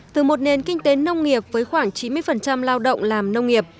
từ một nền kinh tế nông nghiệp với khoảng chín mươi lao động làm nông nghiệp